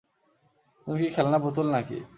তুমি কি খেলনা পুতুল নাকি?